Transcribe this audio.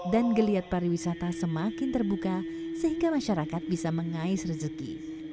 dan geliat pariwisata semakin terbuka sehingga masyarakat bisa mengais rezeki